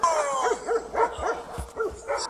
چې زه یې هم هماغسې خدمت وکړم